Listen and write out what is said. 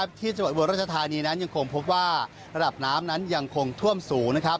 วันนี้นะครับที่จบวิวรัชธานียังคงพบว่าระดับน้ำนั้นยังคงถ้วมสูงนะครับ